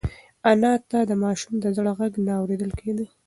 انا ته د ماشوم د زړه غږ نه اورېدل کېده.